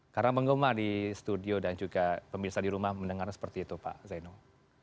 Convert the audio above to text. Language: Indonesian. karena penggemar di studio dan juga pemirsa di rumah mendengarnya seperti itu pak zainul